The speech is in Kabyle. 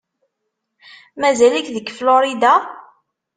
Mazal-ik deg Florida?